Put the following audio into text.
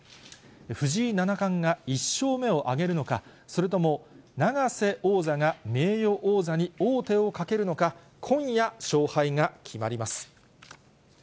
藤井七冠が１勝目を挙げるのか、それとも永瀬王座が名誉王座に王手をかけるのか、今夜、勝敗が決まります。